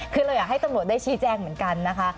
คือเราอยากให้ตำรวจได้ชี้แจ้งเหมือนกันนะคะ